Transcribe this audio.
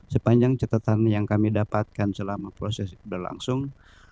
sepanjang catatan yang kami dapatkan selama proses berlangsung